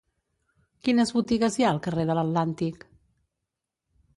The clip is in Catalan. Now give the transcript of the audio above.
Quines botigues hi ha al carrer de l'Atlàntic?